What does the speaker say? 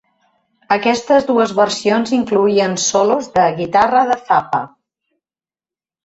Aquestes dues versions incloïen solos de guitarra de Zappa.